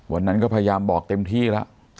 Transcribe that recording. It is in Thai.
วันนั้นก็พยายามบอกเต็มที่แล้ว